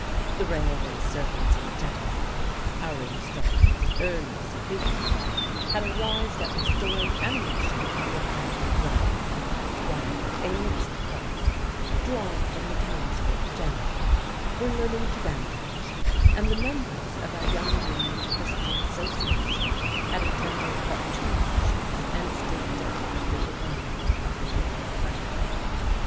The railway servants and jetty men (our instructor's earliest pupils) had arrived at restoring animation to the apparently drowned; while a mixed class, drawn from the townsfolk generally, were learning to bandage, and the members of our Young Women's Christian Association had attended but two lectures and still dallied with the wonders of the human frame.